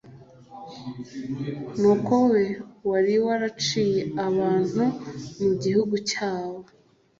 nuko we wari waraciye abantu mu gihugu cyab